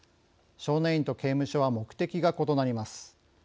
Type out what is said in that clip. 少年院と刑務所は目的が異なります。